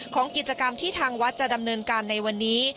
ของกิจกรรมที่ทางวัดจะดำเนินการในวันนี้